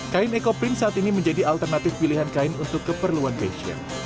kain ekoprint saat ini menjadi alternatif pilihan kain untuk keperluan fashion